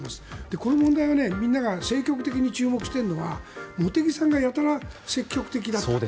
この問題はみんなが政局的に注目しているのは茂木さんがやたら、積極だと。